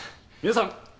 皆さん。